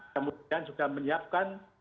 kemudian juga menyiapkan